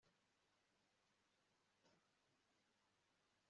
Ndabona imbaga yabantu bagenda bazenguruka impeta